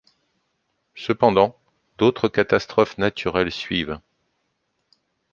Cependant, d'autres catastrophes naturelles suivent.